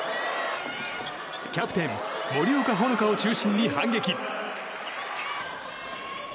キャプテン森岡ほのかを中心に反撃。